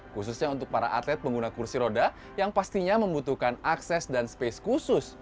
khususnya untuk para atlet pengguna kursi roda yang pastinya membutuhkan akses dan space khusus